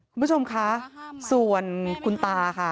คุณผู้ชมคะส่วนคุณตาค่ะ